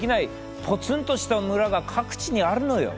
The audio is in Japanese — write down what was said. ポツンとした村が各地にあるのよ。